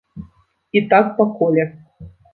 І так па коле.